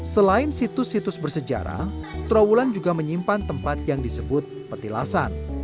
selain situs situs bersejarah trawulan juga menyimpan tempat yang disebut petilasan